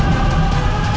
aku akan menang